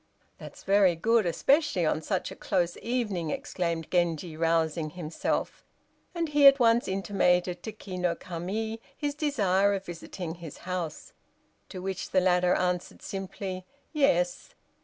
"That's very good, especially on such a close evening," exclaimed Genji, rousing himself, and he at once intimated to Ki no Kami his desire of visiting his house. To which the latter answered simply, "Yes."